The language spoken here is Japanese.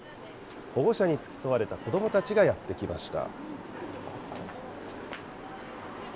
保護者に付き添われた子どもたちがやって来ました。